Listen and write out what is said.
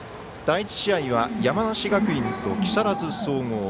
第１試合は山梨学院と木更津総合。